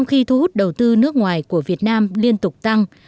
khi thu hút đầu tư nước ngoài của việt nam liên tục tăng